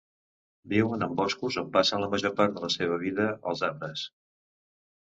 Viuen en boscos, on passen la major part de la seva vida als arbres.